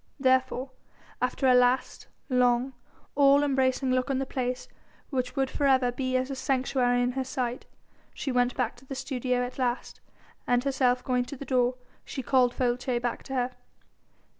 Therefore after a last, long, all embracing look on the place which would for ever be as a sanctuary in her sight she went back to the studio at last, and herself going to the door she called Folces back to her.